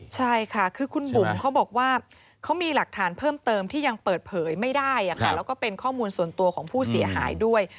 ใช่ค่ะคือคุณบุ๋มเขาบอกว่าเขามีหลักฐานเพิ่มเติมที่ยังเปิดเผยไม่ได้แล้วก็เป็นข้อมูลส่วนตัวของผู้เสียหายด้วย